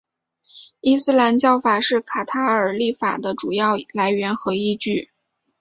伊斯兰教法是卡塔尔立法的主要来源和依据。